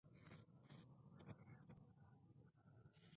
Además de mantener colecciones de plantas vivas.